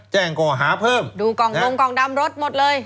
แจ้งก่อหาเพิ่มดูกองลงกองดำรถหมดเลย